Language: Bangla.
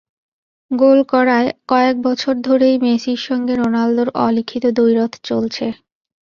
গোল করায় কয়েক বছর ধরেই মেসির সঙ্গে রোনালদোর অলিখিত দ্বৈরথ চলছে।